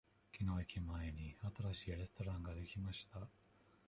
きのう駅前に新しいレストランができました。